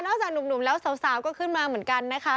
จากหนุ่มแล้วสาวก็ขึ้นมาเหมือนกันนะคะ